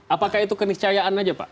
apakah itu keniscayaan aja pak